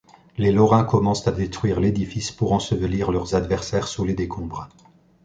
Les Lorrains commencent à détruire l'édifice pour ensevelir leurs adversaires sous les décombres.